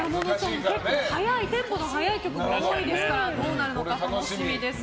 結構テンポが速い曲も多いですからどうなるのか楽しみです。